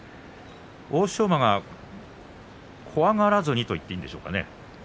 欧勝馬が怖がらずにと言っていいですか？